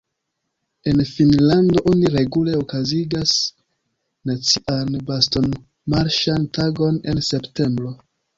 En Finnlando oni regule okazigas nacian bastonmarŝan tagon en septembro.